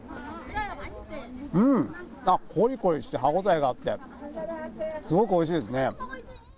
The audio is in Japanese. うん！あっ、こりこりして歯応えがあって、すごくおいしいですね。